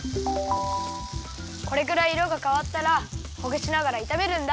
これくらいいろがかわったらほぐしながらいためるんだ！